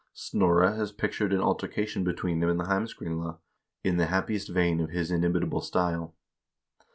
Snorre has pic tured an altercation between them in the " Heimskringla," in the happiest vein of his inimitable style.